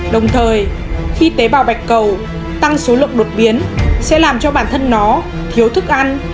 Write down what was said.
đồng thời khi tế bào bạch cầu tăng số lượng đột biến sẽ làm cho bản thân nó thiếu thức ăn